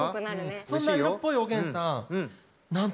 そんな色っぽいおげんさん